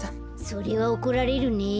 それはおこられるね。